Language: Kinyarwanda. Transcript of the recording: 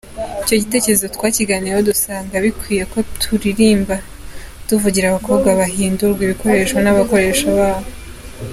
Icyo gitekerezo twakiganiriyeho dusanga bikwiye ko turirimba tuvugira abakobwa bahindurwa ibikoresho n’abakoresha babo.